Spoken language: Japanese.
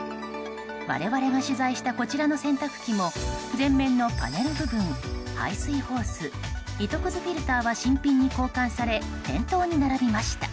我々が取材したこちらの洗濯機も前面のパネル部分排水ホース、糸くずフィルターは新品に交換され店頭に並びました。